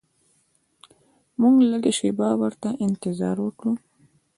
موږ لږه شیبه ورته انتظار وکړ.